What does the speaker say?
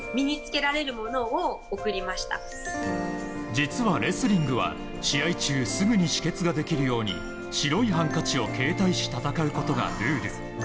実はレスリングは試合中すぐに止血ができるように白いハンカチを携帯し戦うことがルール。